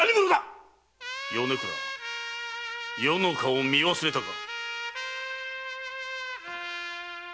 米倉余の顔を見忘れたか。